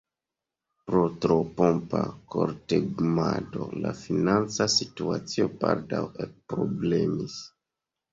Pro tro pompa kortegumado la financa situacio baldaŭ ekproblemis.